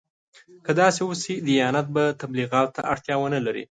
که داسې وشي دیانت به تبلیغاتو ته اړتیا ونه لري.